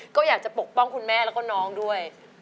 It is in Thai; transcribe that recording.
ก็อยากจะปกป้องคุณแม่แล้วก็น้องด้วย